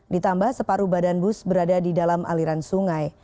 ditambah separuh badan bus berada di dalam aliran sungai